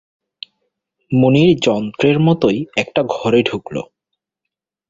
মুনির যন্ত্রের মতোই একটা ঘরে ঢুকল।